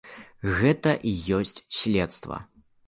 Гэта і ёсць следства.